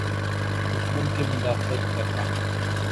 دشمن کی مدافعت کرنا۔